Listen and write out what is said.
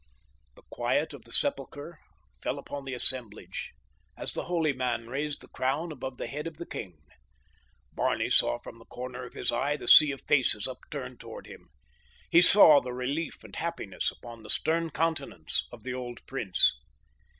The quiet of the sepulcher fell upon the assemblage as the holy man raised the crown above the head of the king. Barney saw from the corner of his eye the sea of faces upturned toward him. He saw the relief and happiness upon the stern countenance of the old prince.